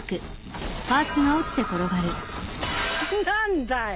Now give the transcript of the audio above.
何だい